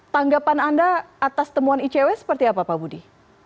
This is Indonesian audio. tanggapan anda atas temuan icw seperti apa pak budi